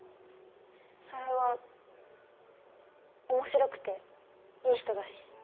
それは面白くていい人だし。